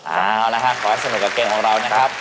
เอาละฮะขอให้สนุกกับเกมของเรานะครับ